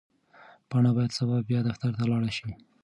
پاڼه باید سبا بیا دفتر ته لاړه شي.